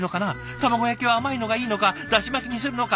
卵焼きは甘いのがいいのかだし巻きにするのか。